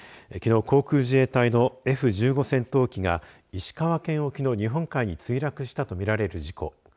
きのう航空自衛隊のＦ１５戦闘機が石川県沖の日本海に墜落したとみられる事故。